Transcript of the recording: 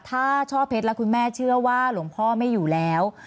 ถ้าช่อเพชรแล้วคุณแม่เชื่อว่าหลวงพ่อไม่อยู่แล้ว